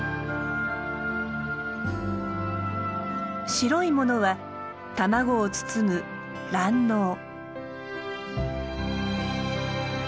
白いものは卵を包む卵のう。